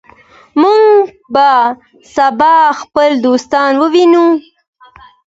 موږ به سبا خپل دوستان ووینو.